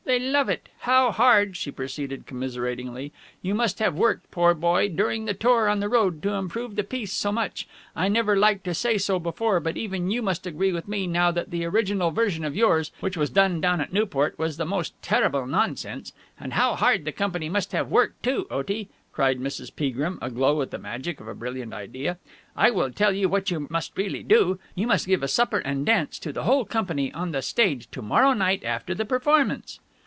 They love it. How hard," she proceeded commiseratingly, "you must have worked, poor boy, during the tour on the road to improve the piece so much! I never liked to say so before but even you must agree with me now that that original version of yours, which was done down at Newport, was the most terrible nonsense! And how hard the company must have worked too! Otie," cried Mrs. Peagrim, aglow with the magic of a brilliant idea, "I will tell you what you must really do. You must give a supper and dance to the whole company on the stage to morrow night after the performance."